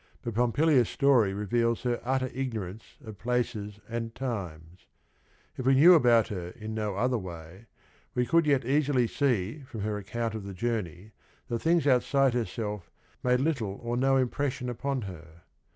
But Po mpilia's story reveals her utter ignorance of^places and times. If we knew about her in no other way, we could yet easily see from her account of the journey, that things outside herself made little or no impression upon her.